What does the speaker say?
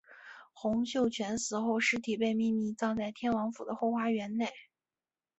洪秀全死后尸体被秘密葬在天王府的后花园内。